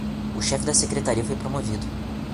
O chefe de secretaria foi promovido